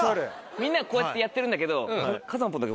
みんなこうやってやってるんだけど風間ぽんだけ。